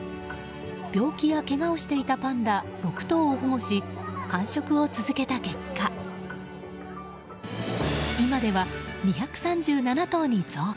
病気やけがをしていたパンダ６頭を保護し繁殖を続けた結果今では２３７頭に増加。